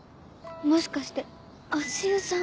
もしかして足湯さん。